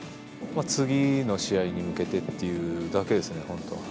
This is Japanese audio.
次の試合に向けてっていうだけですね、本当。